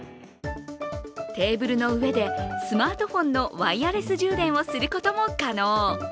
テーブルの上でスマートフォンのワイヤレス充電をすることも可能。